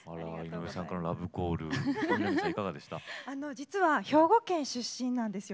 実は兵庫県出身なんですよ